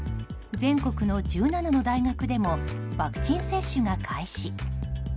全国の１７の大学でもワクチン接種が開始。